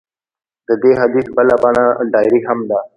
د دې حدیث بله بڼه ډایري هم ده.